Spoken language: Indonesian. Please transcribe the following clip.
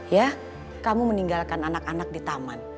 ya kamu meninggalkan anak anak di taman